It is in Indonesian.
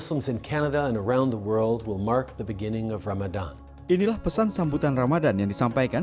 inilah pesan sambutan ramadan yang disampaikan